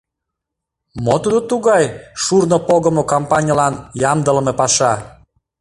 Мо тудо тугай шурно погымо кампаньылан ямдылыме паша?